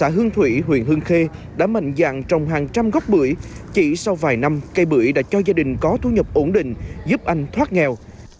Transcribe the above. hương thủy huyện hương khê đã mạnh dạng trồng hàng trăm gốc bưởi chỉ sau vài năm cây bưởi đã cho gia đình có thu nhập ổn định giúp anh thoát nghèo